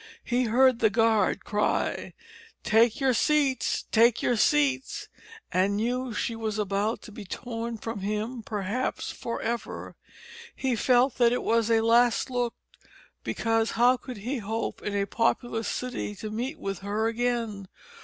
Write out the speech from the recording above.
He heard the guard cry, "Take your seats; take your seats," and knew that she was about to be torn from him perhaps for ever. He felt that it was a last look, because, how could he hope in a populous city to meet with her again?